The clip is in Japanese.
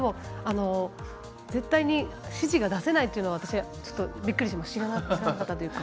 絶対に指示が出せないというのはびっくりしました。